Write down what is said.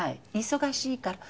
忙しいから。